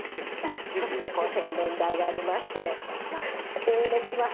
そして洗面台がありまして、ええ値します。